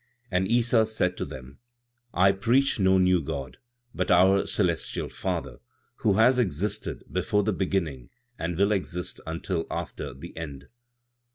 And Issa said to them: "I preach no new God, but our celestial Father, who has existed before the beginning and will exist until after the end.